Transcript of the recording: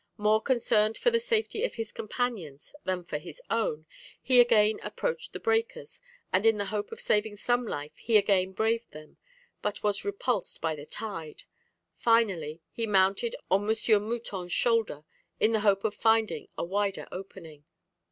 More concerned for the safety of his companions than for his own, he again approached the breakers, and in the hope of saving some life he again braved them, but was repulsed by the tide; finally, he mounted on M. Mouton's shoulder, in the hope of finding a wider opening.